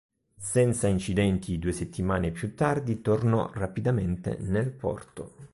Senza incidenti due settimane più tardi tornò rapidamente nel porto.